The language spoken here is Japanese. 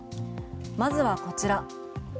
まずはこちら。